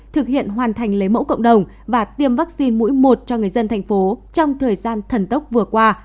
thực hiện hoàn thành lấy mẫu cộng đồng và tiêm vaccine mũi một cho người dân thành phố trong thời gian thần tốc vừa qua